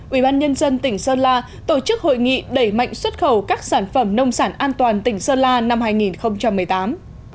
ubnd tỉnh sơn la tổ chức hội nghị đẩy mạnh xuất khẩu các sản phẩm nông sản an toàn tỉnh sơn la năm hai nghìn một mươi tám